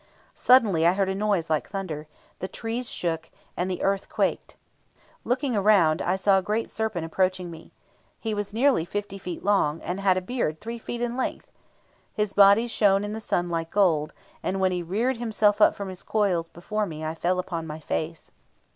Suddenly I heard a noise like thunder; the trees shook, and the earth quaked. Looking round, I saw a great serpent approaching me. He was nearly 50 feet long, and had a beard 3 feet in length. His body shone in the sun like gold, and when he reared himself up from his coils before me I fell upon my face.